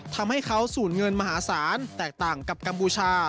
ทำให้เขาสูญเงินมหาศาลแตกต่างกับกัมพูชา